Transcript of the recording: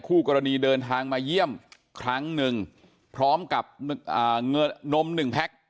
คู่กรณีเดินทางมาเยี่ยมครั้งหนึ่งพร้อมกับนมหนึ่งแพ็ค